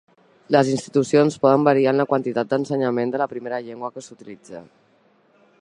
Les institucions poden variar en la quantitat d'ensenyament de la primera llengua que s'utilitza.